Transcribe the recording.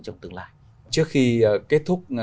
trong tương lai trước khi kết thúc